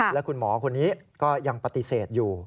และคุณหมอคนนี้ก็ยังปฏิเสธอยู่